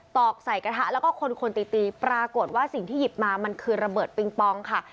ตอกใส่กระทะแล้วก็คนตีตีปรากฏว่าสิ่งที่หยิบมามันคือระเบิดปิงปองค่ะ